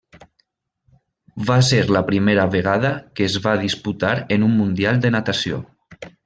Va ser la primera vegada que es va disputar en un mundial de natació.